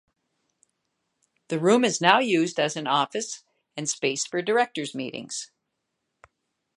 The room is now used as an office and space for directors' meetings.